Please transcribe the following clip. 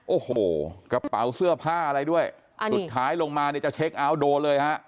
โอ้โหกระเป๋าเสื้อผ้าอะไรด้วยสุดท้ายลงมาเนี่ยจะเช็คเอาท์โดนเลยฮะ